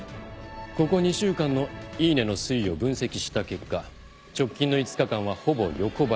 ここ２週間のイイネの推移を分析した結果直近の５日間はほぼ横ばい。